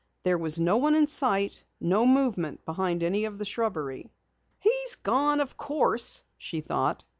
There was no one in sight, no movement behind any of the shrubbery. "He's gone, of course," she thought.